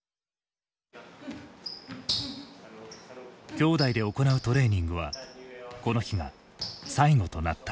兄弟で行うトレーニングはこの日が最後となった。